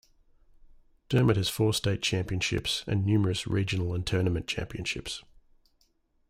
Dermott has four state championships and numerous regional and tournament championships.